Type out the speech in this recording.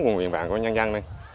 của nguyện bản của nhân dân